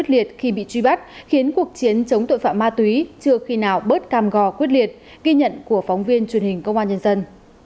liệt khi bị truy bắt khiến cuộc chiến chống tội phạm ma túy chưa khi nào bớt cam gò quyết liệt ghi nhận của phóng viên truyền hình công an nhân dân